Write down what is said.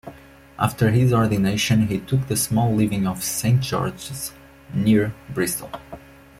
After his ordination he took the small living of Saint George's, near Bristol.